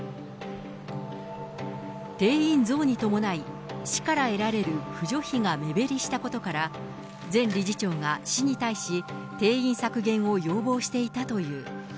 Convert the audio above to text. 定員増に伴い、市から得られる扶助費が目減りしたことから、前理事長が市に対し、定員削減を要望していたという。